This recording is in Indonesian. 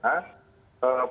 karena pak presiden